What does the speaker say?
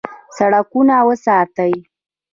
سړکونه وساتئ